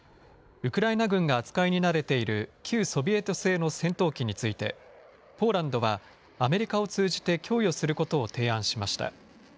ウクライナ軍が扱いに慣れている旧ソビエト製の戦闘機についてポーランドはアメリカを通じて供与することを提案しました。